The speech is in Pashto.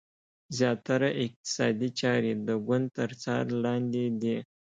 زیاتره اقتصادي چارې د ګوند تر څار لاندې دي.